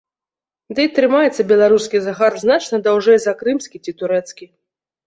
Ды і трымаецца беларускі загар значна даўжэй за крымскі ці турэцкі.